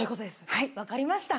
はいわかりました。